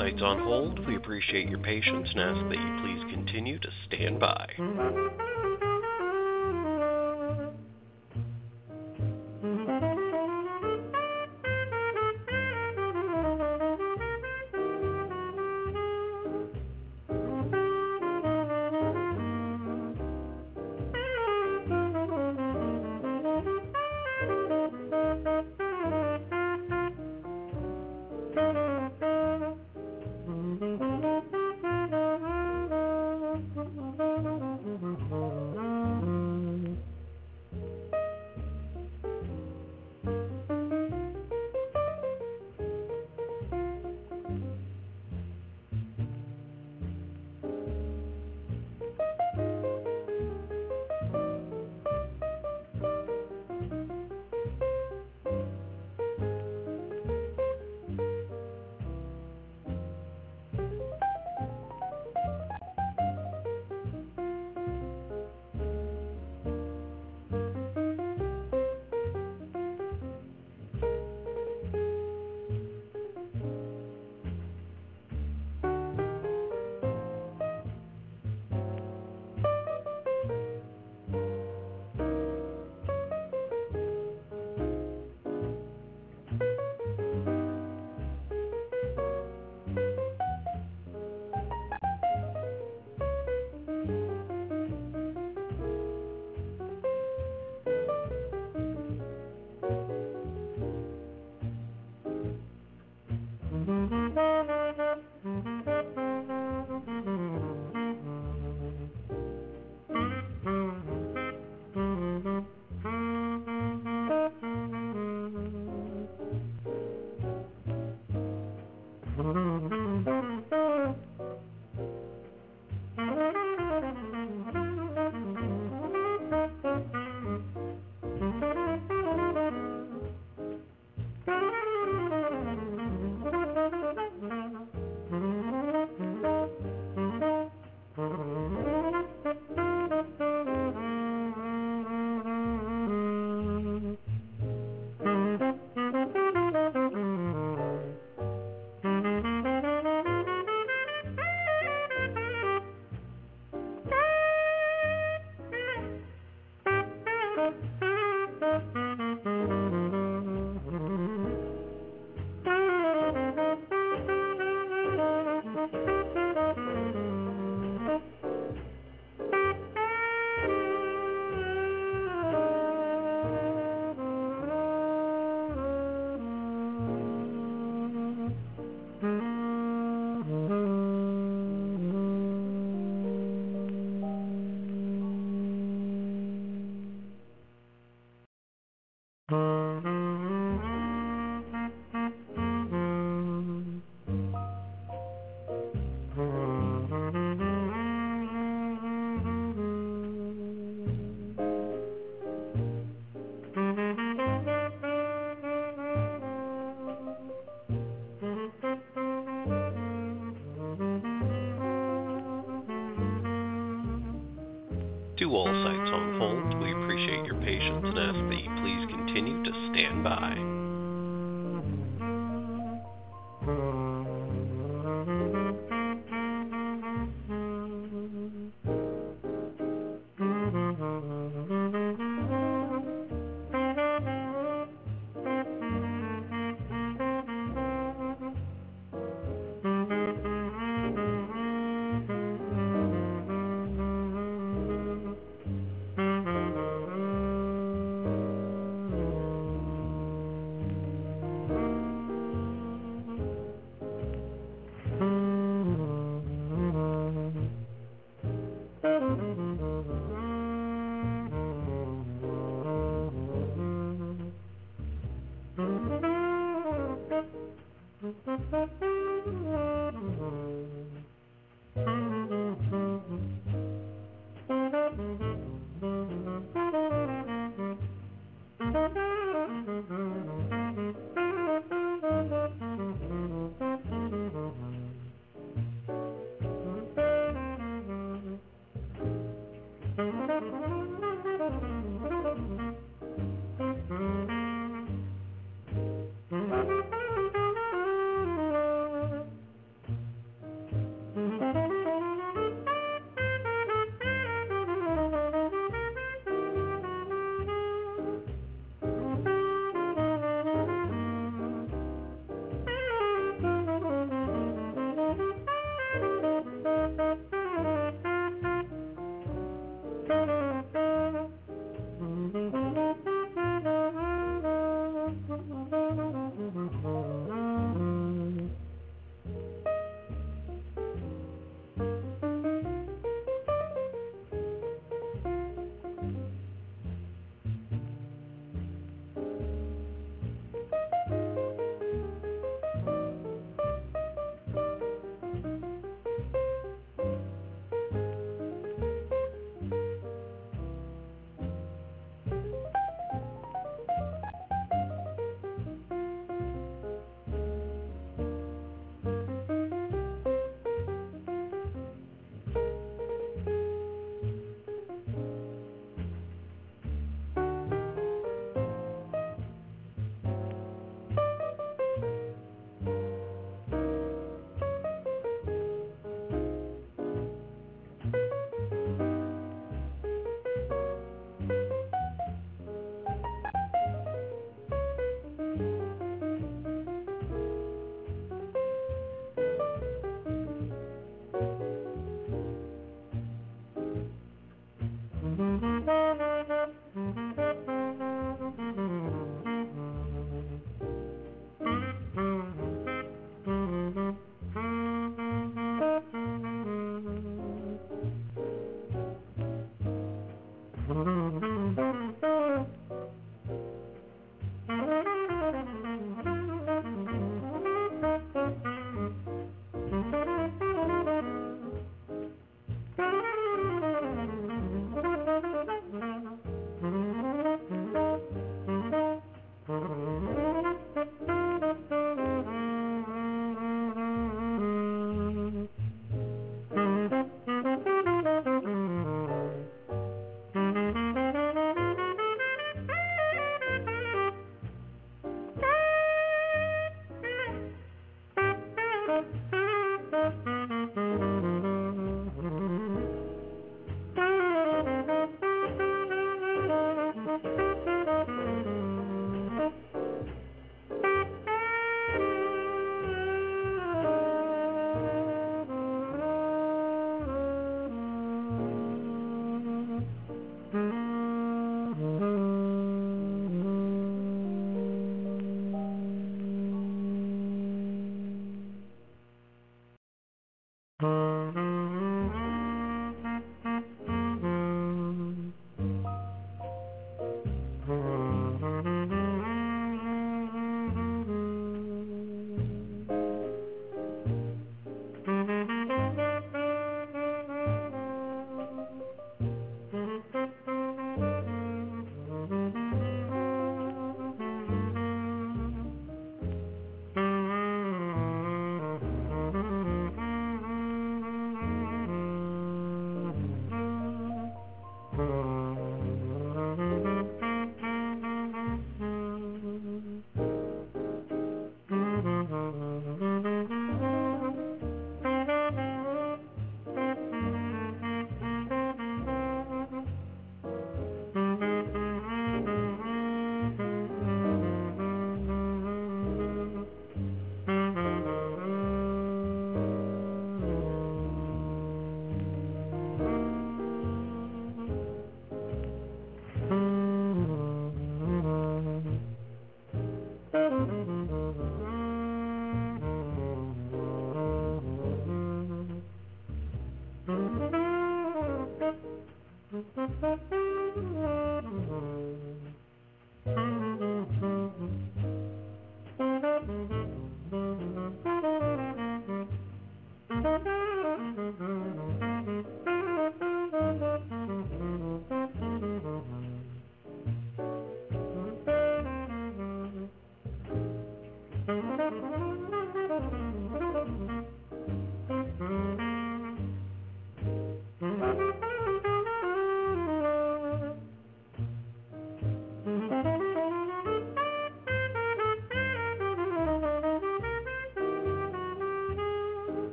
All sites on hold. We appreciate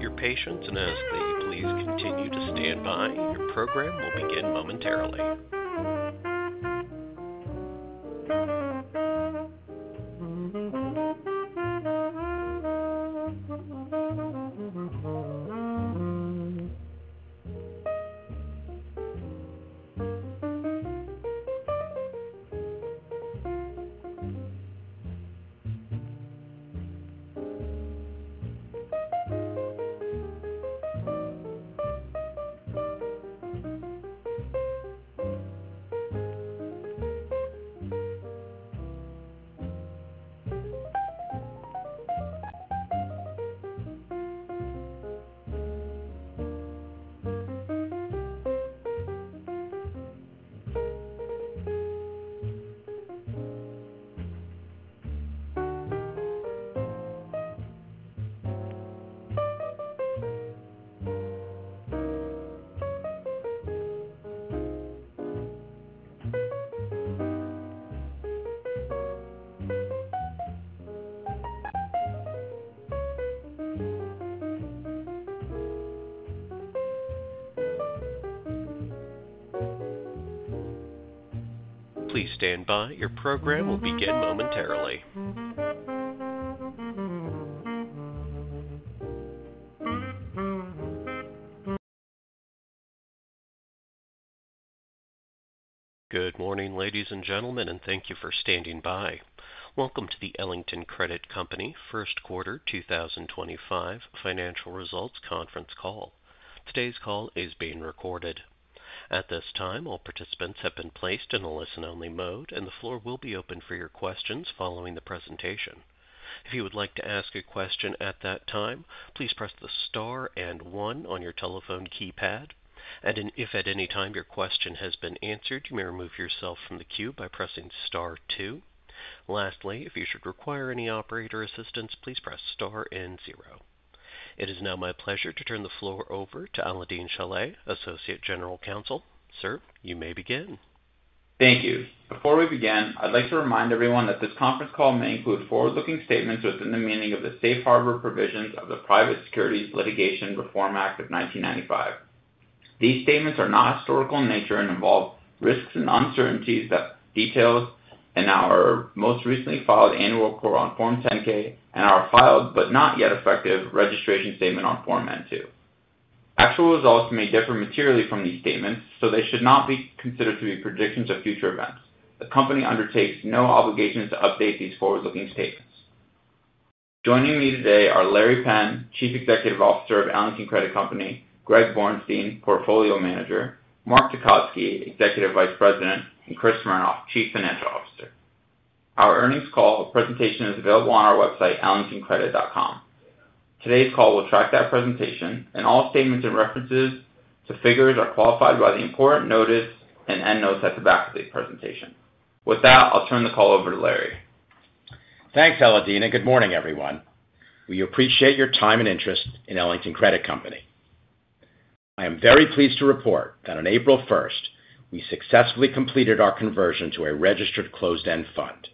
your patience and ask that you please continue to stand by. Your program will begin momentarily. Please stand by. Your program will begin momentarily. Good morning, ladies and gentlemen, and thank you for standing by. Welcome to the Ellington Credit Company First Quarter 2025 Financial Results Conference Call. Today's call is being recorded. At this time, all participants have been placed in the listen-only mode, and the floor will be open for your questions following the presentation. If you would like to ask a question at that time, please press the star and one on your telephone keypad. If at any time your question has been answered, you may remove yourself from the queue by pressing star two. Lastly, if you should require any operator assistance, please press star and zero. It is now my pleasure to turn the floor over to Alaael-Deen Shilleh, Associate General Counsel. Sir, you may begin. Thank you. Before we begin, I'd like to remind everyone that this conference call may include forward-looking statements within the meaning of the safe harbor provisions of the Private Securities Litigation Reform Act of 1995. These statements are not historical in nature and involve risks and uncertainties that detail in our most recently filed annual report on Form 10-K and our filed but not yet effective registration statement on Form N-2. Actual results may differ materially from these statements, so they should not be considered to be predictions of future events. The company undertakes no obligations to update these forward-looking statements. Joining me today are Laurence Penn, Chief Executive Officer of Ellington Credit Company; Gregory Borenstein, Portfolio Manager; Mark Ira Tecotzky, Executive Vice President; and Christopher Smernoff, Chief Financial Officer. Our earnings call presentation is available on our website, ellingtoncredit.com. Today's call will track that presentation, and all statements and references to figures are qualified by the important notice and end notes at the back of the presentation. With that, I'll turn the call over to Laurence Penn. Thanks, Alaael-Deen. Good morning, everyone. We appreciate your time and interest in Ellington Credit Company. I am very pleased to report that on April 1st, we successfully completed our conversion to a registered closed-end fund.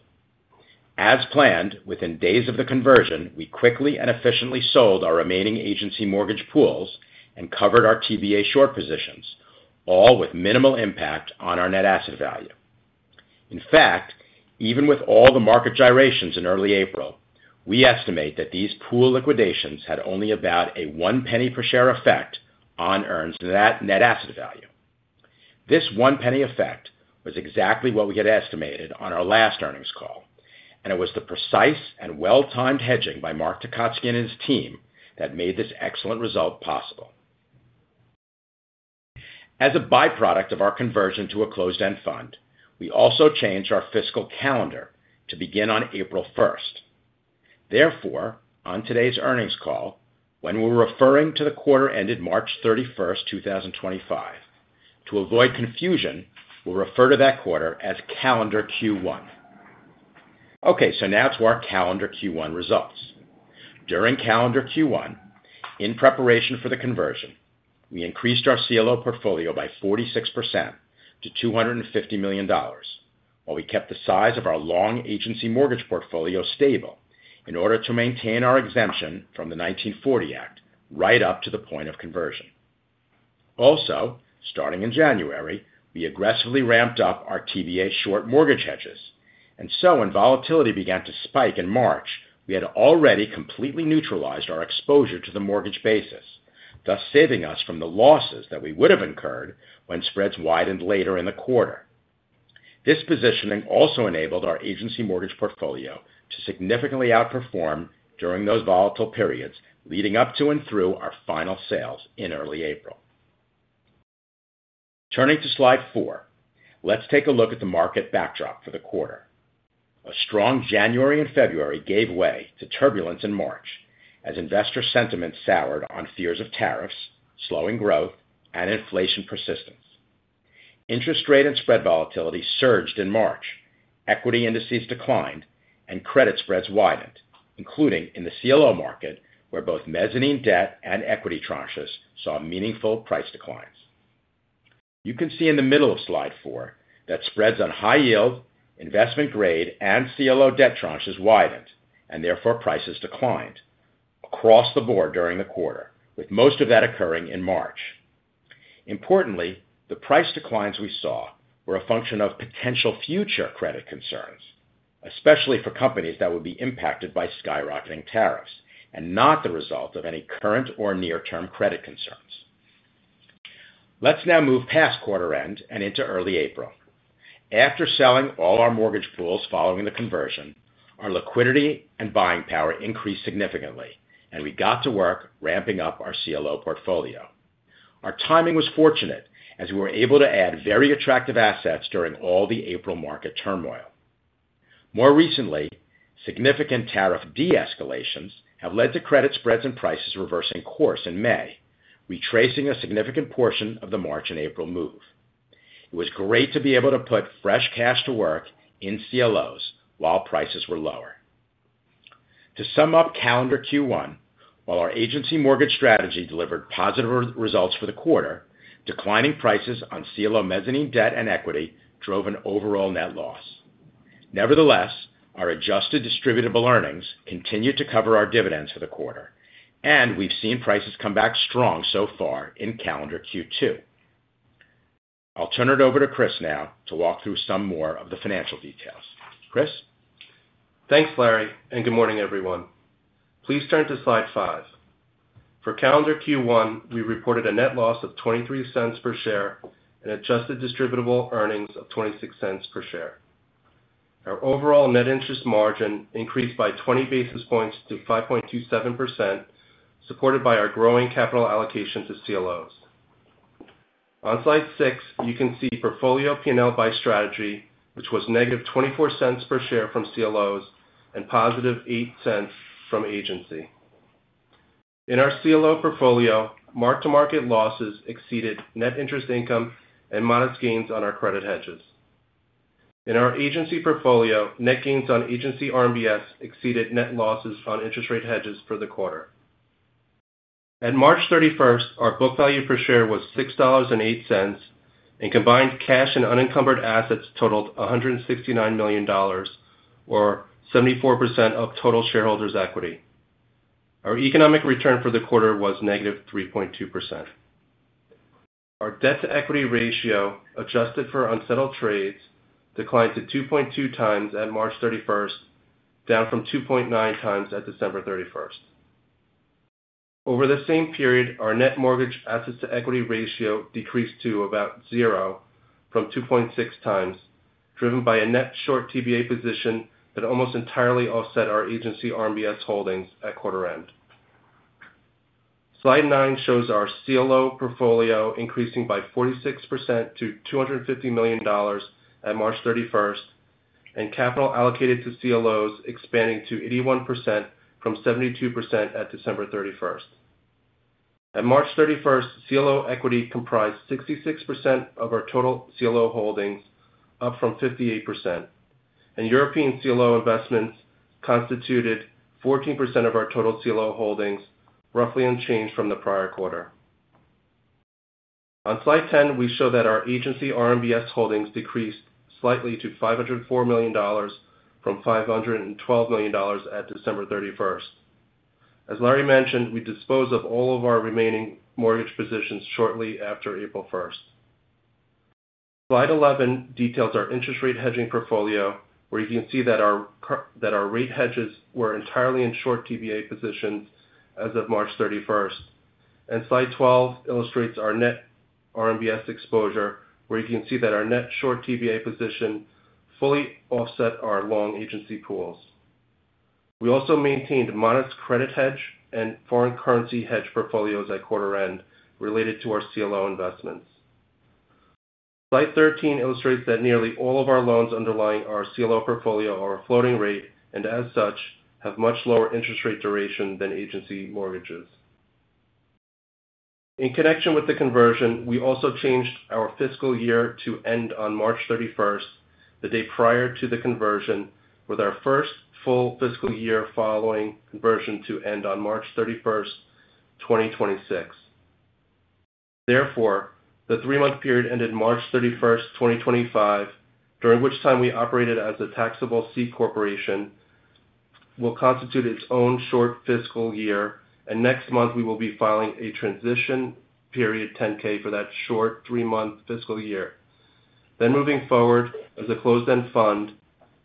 As planned, within days of the conversion, we quickly and efficiently sold our remaining agency mortgage pools and covered our TBA short positions, all with minimal impact on our net asset value. In fact, even with all the market gyrations in early April, we estimate that these pool liquidations had only about a one penny per share effect on EARN's net asset value. This one penny effect was exactly what we had estimated on our last earnings call, and it was the precise and well-timed hedging by Mark Ira Tecotzky and his team that made this excellent result possible. As a byproduct of our conversion to a closed-end fund, we also changed our fiscal calendar to begin on April 1st. Therefore, on today's earnings call, when we're referring to the quarter ended March 31st, 2025, to avoid confusion, we'll refer to that quarter as calendar Q1. Okay, so now to our calendar Q1 results. During calendar Q1, in preparation for the conversion, we increased our CLO portfolio by 46% to $250 million, while we kept the size of our long agency mortgage portfolio stable in order to maintain our exemption from the 1940 Act right up to the point of conversion. Also, starting in January, we aggressively ramped up our TBA short mortgage hedges, and so when volatility began to spike in March, we had already completely neutralized our exposure to the mortgage basis, thus saving us from the losses that we would have incurred when spreads widened later in the quarter. This positioning also enabled our agency mortgage portfolio to significantly outperform during those volatile periods leading up to and through our final sales in early April. Turning to slide four, let's take a look at the market backdrop for the quarter. A strong January and February gave way to turbulence in March as investor sentiment soured on fears of tariffs, slowing growth, and inflation persistence. Interest rate and spread volatility surged in March, equity indices declined, and credit spreads widened, including in the CLO market where both Mezzanine Index debt and equity tranches saw meaningful price declines. You can see in the middle of slide four that spreads on high yield, investment grade, and CLO debt tranches widened, and therefore prices declined across the board during the quarter, with most of that occurring in March. Importantly, the price declines we saw were a function of potential future credit concerns, especially for companies that would be impacted by skyrocketing tariffs and not the result of any current or near-term credit concerns. Let's now move past quarter end and into early April. After selling all our mortgage pools following the conversion, our liquidity and buying power increased significantly, and we got to work ramping up our CLO portfolio. Our timing was fortunate as we were able to add very attractive assets during all the April market turmoil. More recently, significant tariff de-escalations have led to credit spreads and prices reversing course in May, retracing a significant portion of the March and April move. It was great to be able to put fresh cash to work in CLOs while prices were lower. To sum up calendar Q1, while our agency mortgage strategy delivered positive results for the quarter, declining prices on CLO Mezzanine Index debt and equity drove an overall net loss. Nevertheless, our adjusted distributable earnings continued to cover our dividends for the quarter, and we've seen prices come back strong so far in calendar Q2. I'll turn it over to Christopher Smernoff now to walk through some more of the financial details. Christopher Snernoff. Thanks, Laurence Penn, and good morning, everyone. Please turn to slide five. For calendar Q1, we reported a net loss of $0.23 per share and adjusted distributable earnings of $0.26 per share. Our overall net interest margin increased by 20 bps to 5.27%, supported by our growing capital allocation to CLOs. On slide six, you can see portfolio P&L by strategy, which was negative $0.24 per share from CLOs and +$0.08 from agency. In our CLO portfolio, mark-to-market losses exceeded net interest income and modest gains on our credit hedges. In our agency portfolio, net gains on agency Residential Mortgage-Backed Securities exceeded net losses on interest rate hedges for the quarter. At March 31st, our book value per share was $6.08, and combined cash and unencumbered assets totaled $169 million, or 74% of total shareholders' equity. Our economic return for the quarter was -3.2%. Our debt-to-equity ratio, adjusted for unsettled trades, declined to 2.2 times at March 31st, down from 2.9 times at December 31st. Over the same period, our net mortgage assets-to-equity ratio decreased to about zero from 2.6 times, driven by a net short TBA position that almost entirely offset our agency Residential Mortgage-Backed Securities holdings at quarter end. Slide nine shows our CLO portfolio increasing by 46% to $250 million at March 31st, and capital allocated to CLOs expanding to 81% from 72% at December 31st. At March 31st, CLO equity comprised 66% of our total CLO holdings, up from 58%, and European CLO investments constituted 14% of our total CLO holdings, roughly unchanged from the prior quarter. On slide 10, we show that our agency Residential Mortgage-Backed Securities holdings decreased slightly to $504 million from $512 million at December 31st. As Laurence Penn mentioned, we disposed of all of our remaining mortgage positions shortly after April 1st. Slide 11 details our interest rate hedging portfolio, where you can see that our rate hedges were entirely in short TBA positions as of March 31st. Slide 12 illustrates our net Residential Mortgage-Backed Securities exposure, where you can see that our net short TBA position fully offset our long agency pools. We also maintained modest credit hedge and foreign currency hedge portfolios at quarter end related to our CLO investments. Slide 13 illustrates that nearly all of our loans underlying our CLO portfolio are floating rate and, as such, have much lower interest rate duration than agency mortgages. In connection with the conversion, we also changed our fiscal year to end on March 31st, the day prior to the conversion, with our first full fiscal year following conversion to end on March 31st, 2026. Therefore, the three-month period ended March 31st, 2025, during which time we operated as a taxable C corporation, will constitute its own short fiscal year, and next month we will be filing a transition period 10-K for that short three-month fiscal year. Next, moving forward, as a closed-end fund,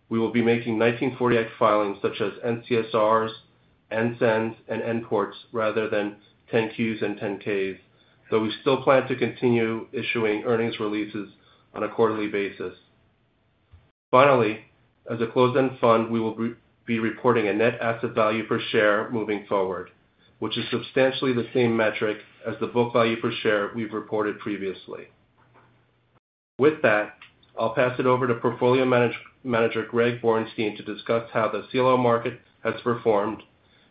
we will be making 1948 filings such as NCSRs, NSENs, and NCORPs rather than 10-Qs and 10-Ks, though we still plan to continue issuing earnings releases on a quarterly basis. Finally, as a closed-end fund, we will be reporting a net asset value per share moving forward, which is substantially the same metric as the book value per share we have reported previously. With that, I'll pass it over to portfolio manager Gregory Borenstein to discuss how the CLO market has performed,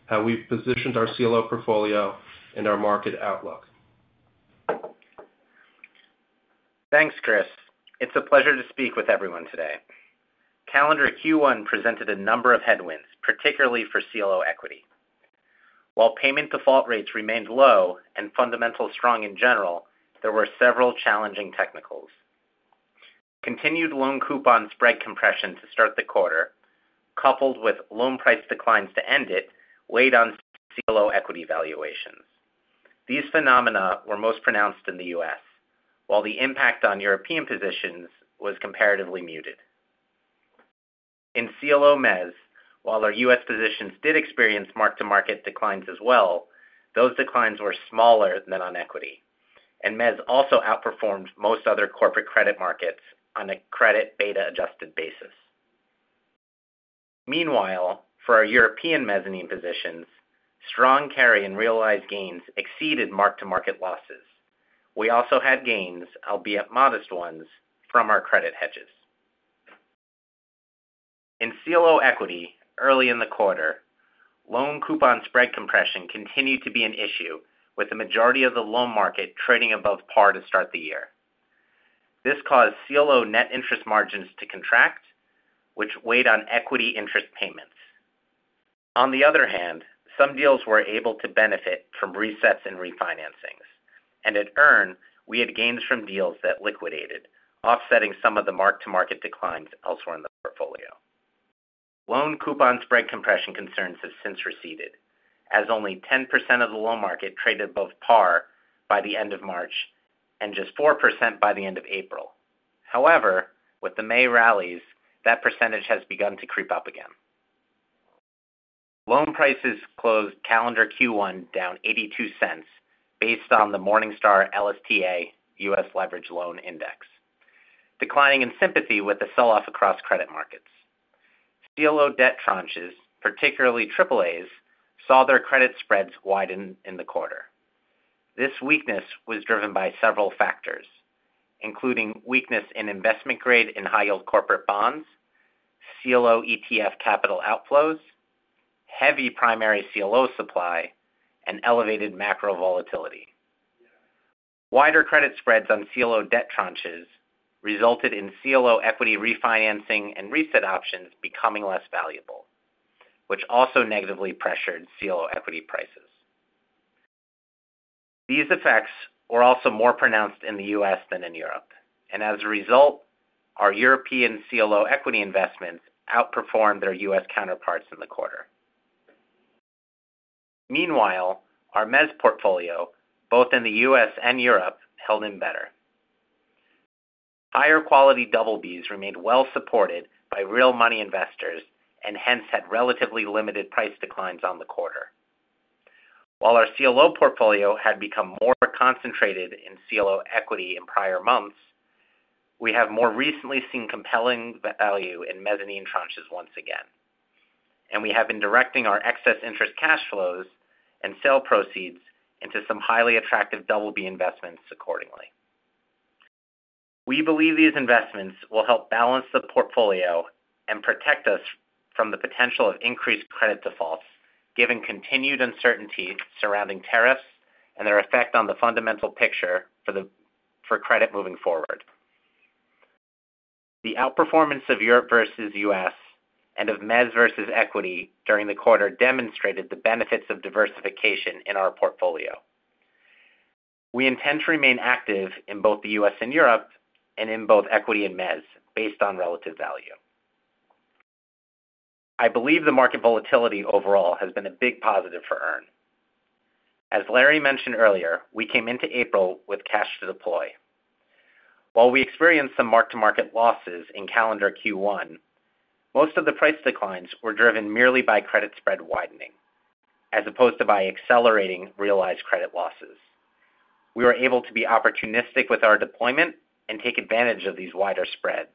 how we have positioned our CLO portfolio, and our market outlook. Thanks, Christopher Smernoff. It's a pleasure to speak with everyone today. Calendar Q1 presented a number of headwinds, particularly for CLO equity. While payment default rates remained low and fundamentals strong in general, there were several challenging technicals. Continued loan coupon spread compression to start the quarter, coupled with loan price declines to end it, weighed on CLO equity valuations. These phenomena were most pronounced in the U.S., while the impact on European positions was comparatively muted. In CLO Mezzanine Index, while our U.S. positions did experience mark-to-market declines as well, those declines were smaller than on equity, and Mezzanine Index also outperformed most other corporate credit markets on a credit beta-adjusted basis. Meanwhile, for our European Mezzanine Index positions, strong carry and realized gains exceeded mark-to-market losses. We also had gains, albeit modest ones, from our credit hedges. In CLO equity, early in the quarter, loan coupon spread compression continued to be an issue, with the majority of the loan market trading above par to start the year. This caused CLO net interest margins to contract, which weighed on equity interest payments. On the other hand, some deals were able to benefit from resets and refinancings, and at EARN, we had gains from deals that liquidated, offsetting some of the mark-to-market declines elsewhere in the portfolio. Loan coupon spread compression concerns have since receded, as only 10% of the loan market traded above par by the end of March and just 4% by the end of April. However, with the May rallies, that percentage has begun to creep up again. Loan prices closed calendar Q1 down $0.82 based on the Morningstar LSTA U.S. Leveraged Loan Index, declining in sympathy with the sell-off across credit markets. CLO debt tranches, particularly AAAs, saw their credit spreads widen in the quarter. This weakness was driven by several factors, including weakness in investment grade and high-yield corporate bonds, CLO ETF capital outflows, heavy primary CLO supply, and elevated macro volatility. Wider credit spreads on CLO debt tranches resulted in CLO equity refinancing and reset options becoming less valuable, which also negatively pressured CLO equity prices. These effects were also more pronounced in the U.S. than in Europe, and as a result, our European CLO equity investments outperformed their U.S. counterparts in the quarter. Meanwhile, our Mezzanine Index portfolio, both in the U.S. and Europe, held in better. Higher quality double Bs remained well-supported by real money investors and hence had relatively limited price declines on the quarter. While our CLO portfolio had become more concentrated in CLO equity in prior months, we have more recently seen compelling value in Mezzanine Index tranches once again, and we have been directing our excess interest cash flows and sale proceeds into some highly attractive double B investments accordingly. We believe these investments will help balance the portfolio and protect us from the potential of increased credit defaults, given continued uncertainty surrounding tariffs and their effect on the fundamental picture for credit moving forward. The outperformance of Europe versus U.S. and of Mezzanine Index versus equity during the quarter demonstrated the benefits of diversification in our portfolio. We intend to remain active in both the U.S. and Europe and in both equity and Mezzanine Index based on relative value. I believe the market volatility overall has been a big positive for EARN. As Laurence Penn mentioned earlier, we came into April with cash to deploy. While we experienced some mark-to-market losses in calendar Q1, most of the price declines were driven merely by credit spread widening, as opposed to by accelerating realized credit losses. We were able to be opportunistic with our deployment and take advantage of these wider spreads,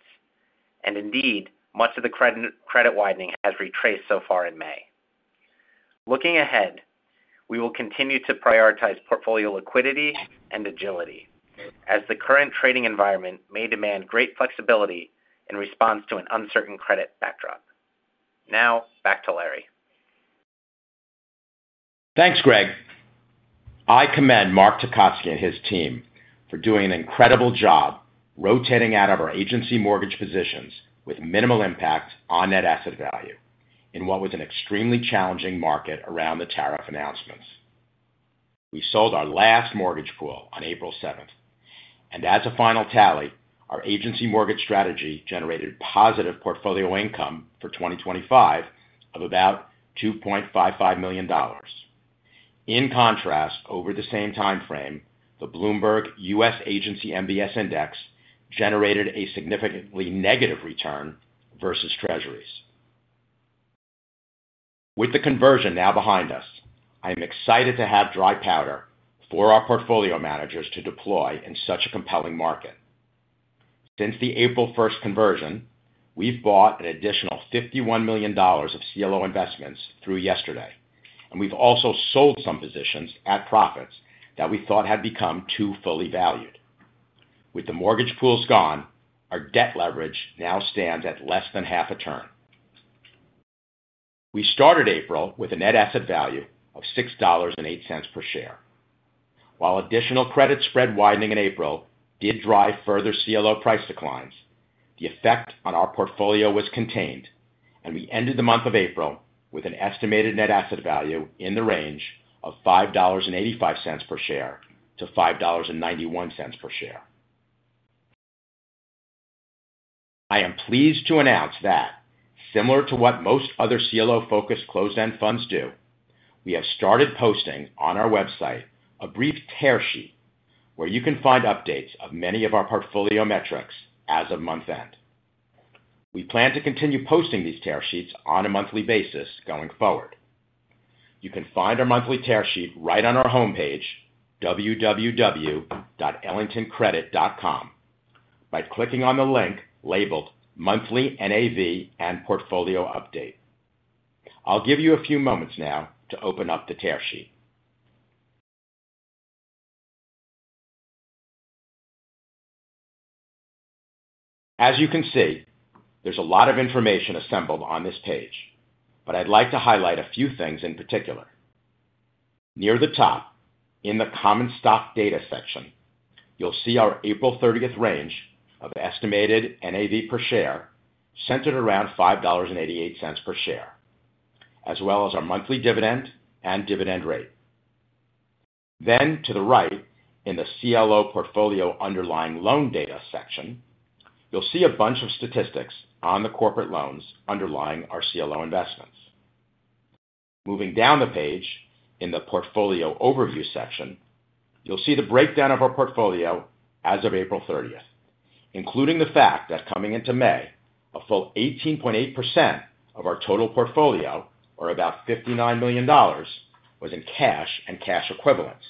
and indeed, much of the credit widening has retraced so far in May. Looking ahead, we will continue to prioritize portfolio liquidity and agility, as the current trading environment may demand great flexibility in response to an uncertain credit backdrop. Now, back to Laurence Penn. Thanks, Gregory Borenstein. I commend Mark Ira Tecotzky and his team for doing an incredible job rotating out of our agency mortgage positions with minimal impact on net asset value in what was an extremely challenging market around the tariff announcements. We sold our last mortgage pool on April 7th, and as a final tally, our agency mortgage strategy generated positive portfolio income for 2025 of about $2.55 million. In contrast, over the same timeframe, the Bloomberg U.S. Agency Mortgage-Backed Security Index generated a significantly negative return versus Treasuries. With the conversion now behind us, I'm excited to have dry powder for our portfolio managers to deploy in such a compelling market. Since the April 1st conversion, we've bought an additional $51 million of CLO investments through yesterday, and we've also sold some positions at profits that we thought had become too fully valued. With the mortgage pools gone, our debt leverage now stands at less than half a turn. We started April with a net asset value of $6.08 per share. While additional credit spread widening in April did drive further CLO price declines, the effect on our portfolio was contained, and we ended the month of April with an estimated net asset value in the range of $5.85-$5.91 per share. I am pleased to announce that, similar to what most other CLO-focused closed-end funds do, we have started posting on our website a brief tear sheet where you can find updates of many of our portfolio metrics as of month end. We plan to continue posting these tear sheets on a monthly basis going forward. You can find our monthly tear sheet right on our homepage, www.ellingtoncredit.com, by clicking on the link labeled Monthly NAV and Portfolio Update. I'll give you a few moments now to open up the tear sheet. As you can see, there's a lot of information assembled on this page, but I'd like to highlight a few things in particular. Near the top, in the Common Stock Data section, you'll see our April 30th range of estimated NAV per share centered around $5.88 per share, as well as our monthly dividend and dividend rate. To the right, in the CLO Portfolio Underlying Loan Data section, you'll see a bunch of statistics on the corporate loans underlying our CLO investments. Moving down the page, in the Portfolio Overview section, you'll see the breakdown of our portfolio as of April 30th, including the fact that coming into May, a full 18.8% of our total portfolio, or about $59 million, was in cash and cash equivalents.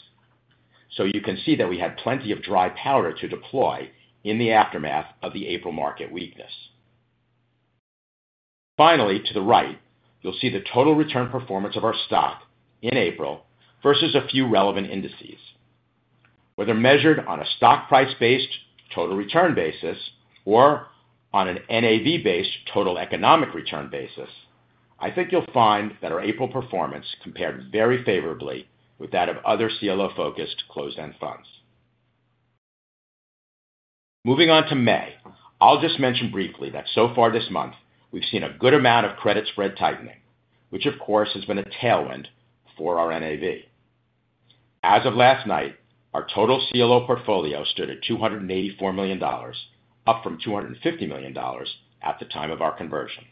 You can see that we had plenty of dry powder to deploy in the aftermath of the April market weakness. Finally, to the right, you'll see the total return performance of our stock in April versus a few relevant indices. Whether measured on a stock price-based total return basis or on an NAV-based total economic return basis, I think you'll find that our April performance compared very favorably with that of other CLO-focused closed-end funds. Moving on to May, I'll just mention briefly that so far this month, we've seen a good amount of credit spread tightening, which, of course, has been a tailwind for our NAV. As of last night, our total CLO portfolio stood at $284 million, up from $250 million at the time of our conversion.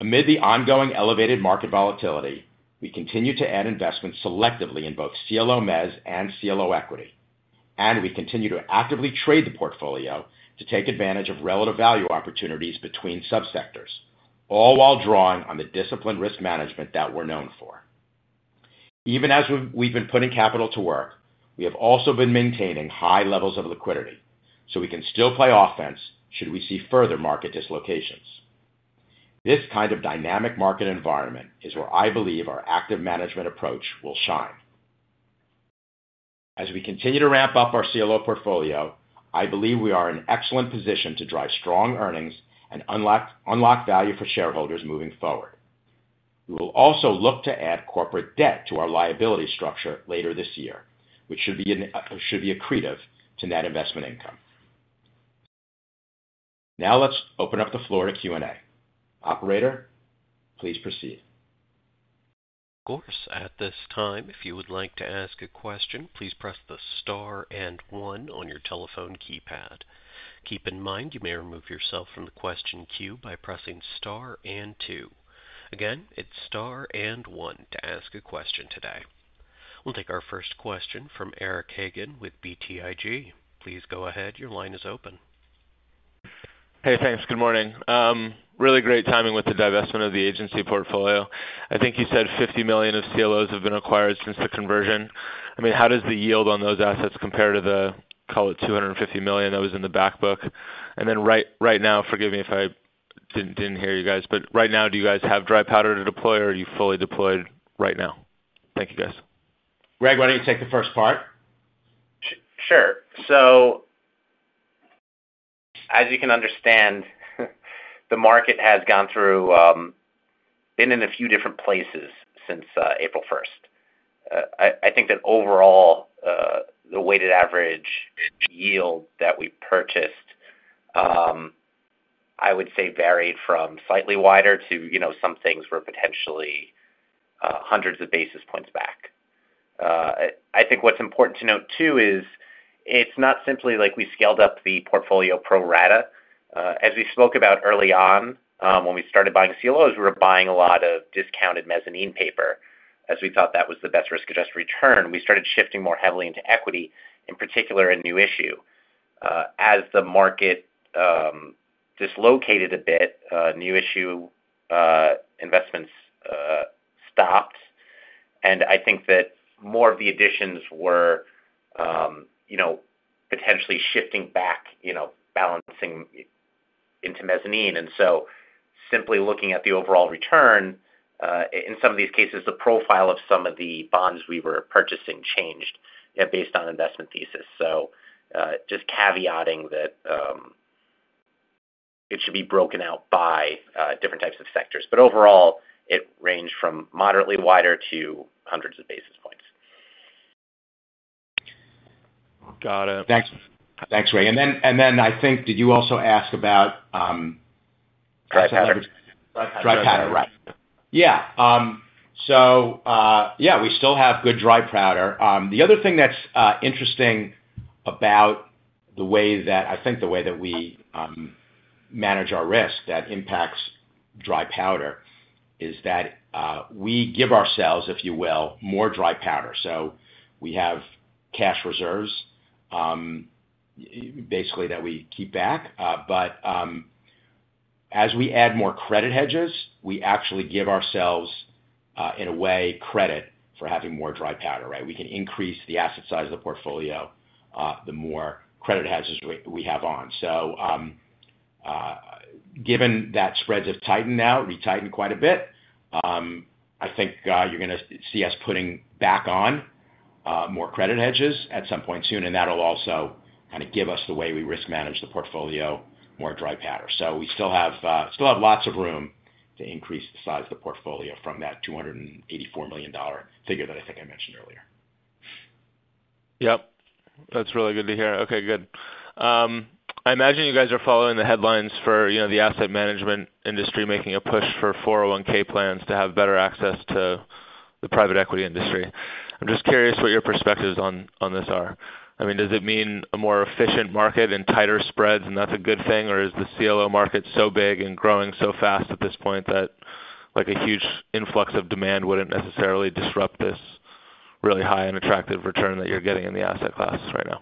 Amid the ongoing elevated market volatility, we continue to add investments selectively in both CLO Mezzanine Index and CLO equity, and we continue to actively trade the portfolio to take advantage of relative value opportunities between subsectors, all while drawing on the disciplined risk management that we're known for. Even as we've been putting capital to work, we have also been maintaining high levels of liquidity, so we can still play offense should we see further market dislocations. This kind of dynamic market environment is where I believe our active management approach will shine. As we continue to ramp up our CLO portfolio, I believe we are in an excellent position to drive strong earnings and unlock value for shareholders moving forward. We will also look to add corporate debt to our liability structure later this year, which should be accretive to net investment income. Now, let's open up the floor to Q&A. Operator, please proceed. Of course, at this time, if you would like to ask a question, please press the star and one on your telephone keypad. Keep in mind, you may remove yourself from the question queue by pressing star and two. Again, it's star and one to ask a question today. We'll take our first question from Eric Hagen with BTIG. Please go ahead. Your line is open. Hey, thanks. Good morning. Really great timing with the divestment of the agency portfolio. I think you said $50 million of CLOs have been acquired since the conversion. I mean, how does the yield on those assets compare to the, call it, $250 million that was in the backbook? And then right now, forgive me if I did not hear you guys, but right now, do you guys have dry powder to deploy, or are you fully deployed right now? Thank you, guys. Gregory Borenstein, why don't you take the first part? Sure. As you can understand, the market has been in a few different places since April 1st. I think that overall, the weighted average yield that we purchased, I would say, varied from slightly wider to some things were potentially hundreds of basis points back. I think what's important to note, too, is it's not simply like we scaled up the portfolio pro rata. As we spoke about early on, when we started buying CLOs, we were buying a lot of discounted Mezzanine Index paper as we thought that was the best risk-adjusted return. We started shifting more heavily into equity, in particular a new issue. As the market dislocated a bit, new issue investments stopped, and I think that more of the additions were potentially shifting back, balancing into Mezzanine Index. Simply looking at the overall return, in some of these cases, the profile of some of the bonds we were purchasing changed based on investment thesis. Just caveating that it should be broken out by different types of sectors. Overall, it ranged from moderately wider to hundreds of basis points. Got it. Thanks, Eric Hagen. I think, did you also ask about. Dry powder. Dry powder, right. Yeah. Yeah, we still have good dry powder. The other thing that's interesting about the way that I think the way that we manage our risk that impacts dry powder is that we give ourselves, if you will, more dry powder. We have cash reserves, basically, that we keep back. As we add more credit hedges, we actually give ourselves, in a way, credit for having more dry powder, right? We can increase the asset size of the portfolio the more credit hedges we have on. Given that spreads have tightened now, retightened quite a bit, I think you're going to see us putting back on more credit hedges at some point soon, and that'll also kind of give us the way we risk manage the portfolio more dry powder. We still have lots of room to increase the size of the portfolio from that $284 million figure that I think I mentioned earlier. Yep. That's really good to hear. Okay, good. I imagine you guys are following the headlines for the asset management industry making a push for 401(k) plans to have better access to the private equity industry. I'm just curious what your perspectives on this are. I mean, does it mean a more efficient market and tighter spreads, and that's a good thing, or is the CLO market so big and growing so fast at this point that a huge influx of demand wouldn't necessarily disrupt this really high and attractive return that you're getting in the asset class right now?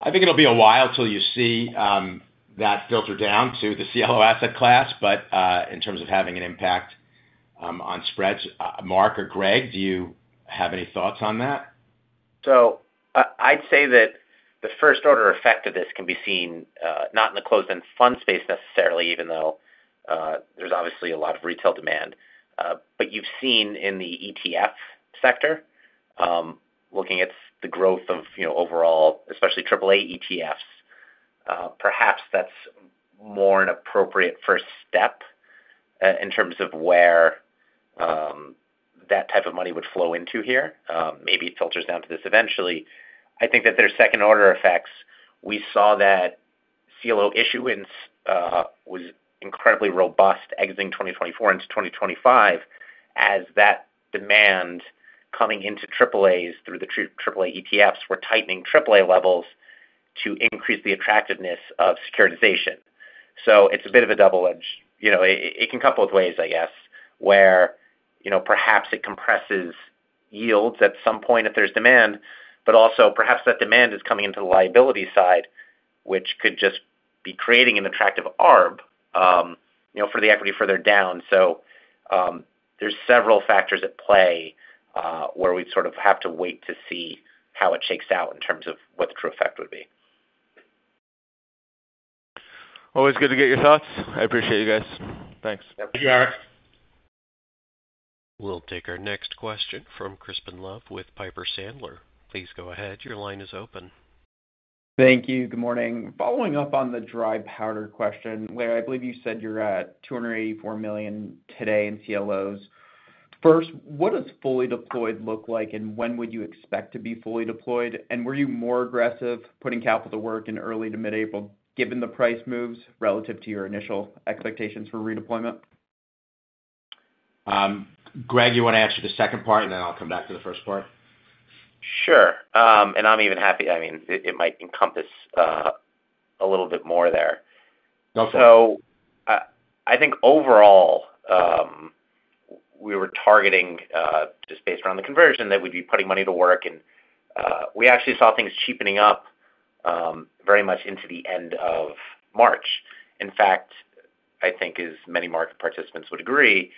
I think it'll be a while till you see that filter down to the CLO asset class, but in terms of having an impact on spreads, Marc Tecotzky, Gregory Borenstein, do you have any thoughts on that? I'd say that the first-order effect of this can be seen not in the closed-end fund space necessarily, even though there's obviously a lot of retail demand. You've seen in the ETF sector, looking at the growth of overall, especially AAA ETFs, perhaps that's more an appropriate first step in terms of where that type of money would flow into here. Maybe it filters down to this eventually. I think that there are second-order effects. We saw that CLO issuance was incredibly robust exiting 2024 into 2025 as that demand coming into AAAs through the AAA ETFs was tightening AAA levels to increase the attractiveness of securitization. It's a bit of a double-edge. It can come both ways, I guess, where perhaps it compresses yields at some point if there's demand, but also perhaps that demand is coming into the liability side, which could just be creating an attractive arb for the equity further down. There are several factors at play where we sort of have to wait to see how it shakes out in terms of what the true effect would be. Always good to get your thoughts. I appreciate you guys. Thanks. Thank you, Eric Hagen. We'll take our next question from Crispin Love with Piper Sandler. Please go ahead. Your line is open. Thank you. Good morning. Following up on the dry powder question, Laurence Penn, I believe you said you're at $284 million today in CLOs. First, what does fully deployed look like, and when would you expect to be fully deployed? Were you more aggressive putting capital to work in early to mid-April given the price moves relative to your initial expectations for redeployment? Gregory Borenstein, you want to answer the second part, and then I'll come back to the first part? Sure. I am even happy, I mean, it might encompass a little bit more there. I think overall, we were targeting just based around the conversion that we would be putting money to work, and we actually saw things cheapening up very much into the end of March. In fact, I think, as many market participants would agree,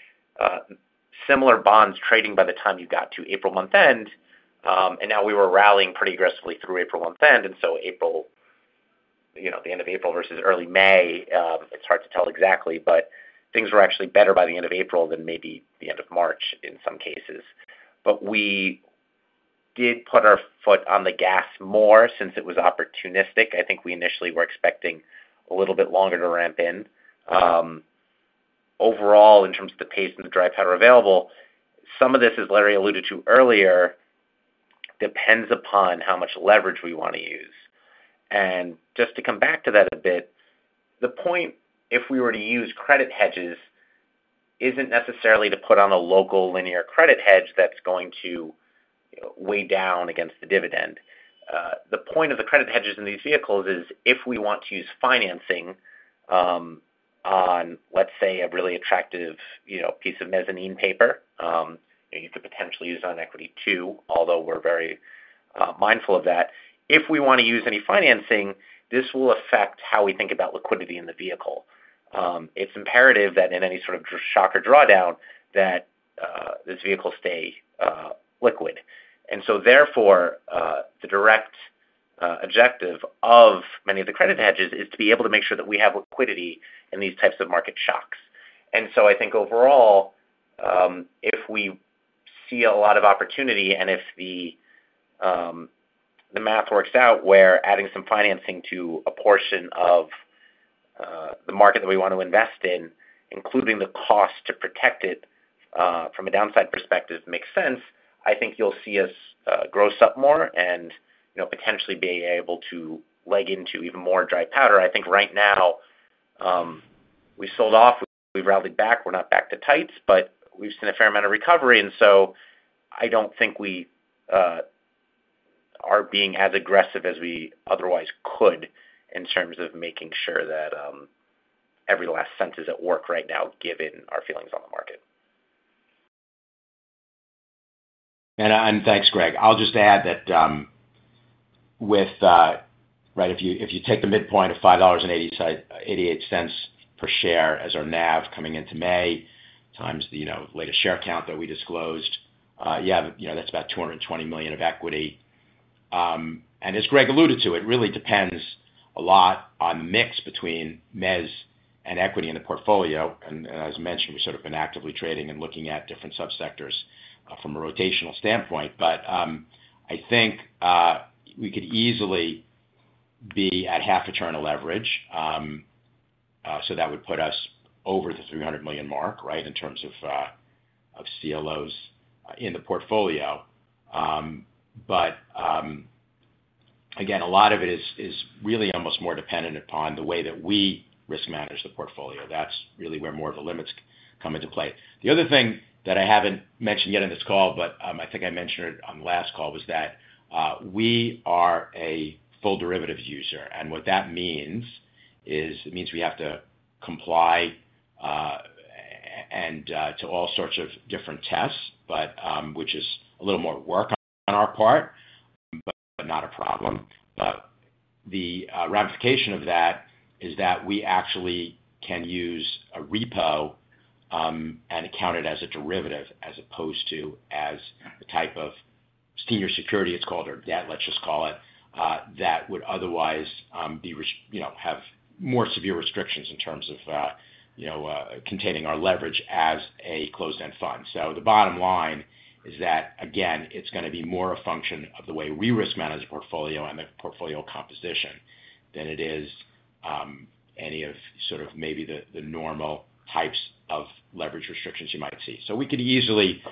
similar bonds trading by the time you got to April month end, and now we were rallying pretty aggressively through April month end. The end of April versus early May, it is hard to tell exactly, but things were actually better by the end of April than maybe the end of March in some cases. We did put our foot on the gas more since it was opportunistic. I think we initially were expecting a little bit longer to ramp in. Overall, in terms of the pace and the dry powder available, some of this, as Larry alluded to earlier, depends upon how much leverage we want to use. Just to come back to that a bit, the point if we were to use credit hedges is not necessarily to put on a local linear credit hedge that is going to weigh down against the dividend. The point of the credit hedges in these vehicles is if we want to use financing on, let's say, a really attractive piece of Mezzanine Index paper, you could potentially use it on equity too, although we are very mindful of that. If we want to use any financing, this will affect how we think about liquidity in the vehicle. It is imperative that in any sort of shock or drawdown that this vehicle stay liquid. Therefore, the direct objective of many of the credit hedges is to be able to make sure that we have liquidity in these types of market shocks. I think overall, if we see a lot of opportunity and if the math works out where adding some financing to a portion of the market that we want to invest in, including the cost to protect it from a downside perspective, makes sense, I think you'll see us gross up more and potentially be able to leg into even more dry powder. I think right now, we sold off. We've rallied back. We're not back to tights, but we've seen a fair amount of recovery. I don't think we are being as aggressive as we otherwise could in terms of making sure that every last cent is at work right now, given our feelings on the market. Thanks, Gregory Borenstein. I'll just add that if you take the midpoint of $5.88 per share as our NAV coming into May times the latest share count that we disclosed, yeah, that's about $220 million of equity. As Gregory Borenstein alluded to, it really depends a lot on the`` mix between Mezzanine Index and equity in the portfolio. As mentioned, we've sort of been actively trading and looking at different subsectors from a rotational standpoint. I think we could easily be at half a turn of leverage. That would put us over the $300 million mark in terms of CLOs in the portfolio. Again, a lot of it is really almost more dependent upon the way that we risk manage the portfolio. That's really where more of the limits come into play. The other thing that I haven't mentioned yet in this call, but I think I mentioned it on the last call, was that we are a full derivatives user. What that means is it means we have to comply to all sorts of different tests, which is a little more work on our part, but not a problem. The ramification of that is that we actually can use a repo and account it as a derivative as opposed to as a type of senior security, it's called, or debt, let's just call it, that would otherwise have more severe restrictions in terms of containing our leverage as a closed-end fund. The bottom line is that, again, it's going to be more a function of the way we risk manage the portfolio and the portfolio composition than it is any of sort of maybe the normal types of leverage restrictions you might see. We could easily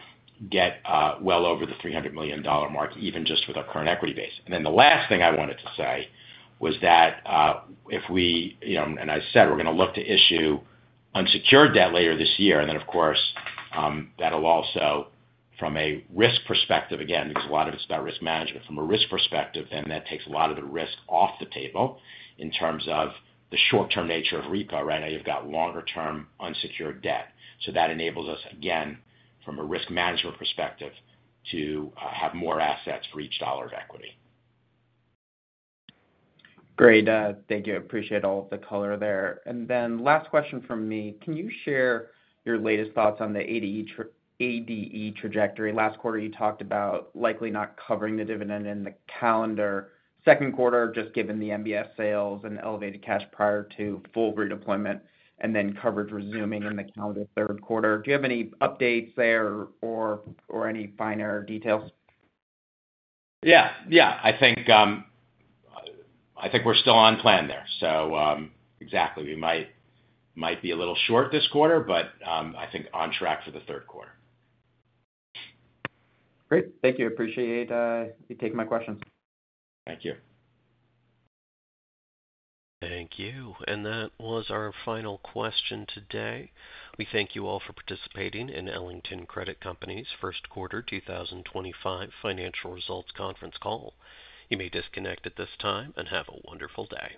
get well over the $300 million mark, even just with our current equity base. The last thing I wanted to say was that if we, and I said, we're going to look to issue unsecured debt later this year. Of course, that'll also, from a risk perspective, again, because a lot of it's about risk management from a risk perspective, then that takes a lot of the risk off the table in terms of the short-term nature of repo. Right now, you've got longer-term unsecured debt. That enables us, again, from a risk management perspective, to have more assets for each dollar of equity. Great. Thank you. I appreciate all of the color there. Last question from me. Can you share your latest thoughts on the ADE trajectory? Last quarter, you talked about likely not covering the dividend in the calendar second quarter, just given the Mortgage-Based Securities sales and elevated cash prior to full redeployment and then coverage resuming in the calendar third quarter. Do you have any updates there or any finer details? Yeah. Yeah. I think we're still on plan there. Exactly, we might be a little short this quarter, but I think on track for the third quarter. Great. Thank you. Appreciate you taking my questions. Thank you. Thank you. That was our final question today. We thank you all for participating in Ellington Credit Company's first quarter 2025 financial results conference call. You may disconnect at this time and have a wonderful day.